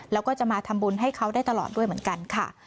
แล้วก็จะมาทำบุญให้เขาได้ตลอดด้วยเหมือนกันค่ะ